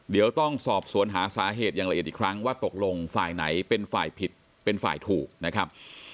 เดี๋ยวต้องสอบสวนหาสาเหตุอย่างละเอียดอีกครั้งว่าตกลงฝ่ายไหนเป็นฝ่ายผิดเป็นฝ่ายถูกนะครับ